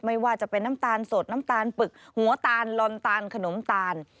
ไม่ว่าจะเป็นน้ำตาลสดน้ำตาลปึกหัวตาลลอนตาลขนมตาล